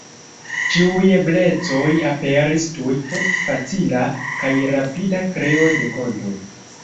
Ĉiuj eblecoj aperis tuj post facila kaj rapida kreo de konto.